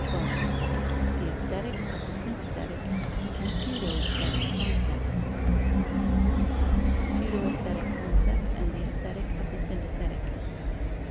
XII THE AESTHETIC OF THE SYMPATHETIC AND PSEUDO AESTHETIC CONCEPTS _Pseudo aesthetic concepts, and the aesthetic of the sympathetic.